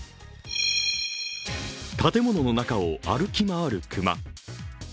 建物の中を歩き回る熊。